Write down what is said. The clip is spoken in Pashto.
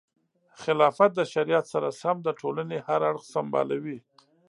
خلافت د شریعت سره سم د ټولنې هر اړخ سمبالوي.